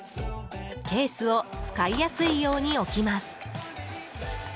ケースを使いやすいように置きます。